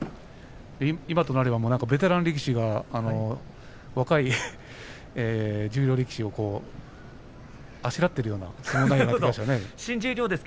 今となればベテラン力士が若い十両力士をあしらっているようなそんな感じに見えます。